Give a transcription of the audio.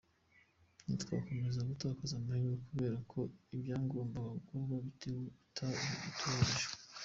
Ntitwakomeza gutakaza amahirwe kubera ko ibyagombaga gukorwa bitubahirijwe.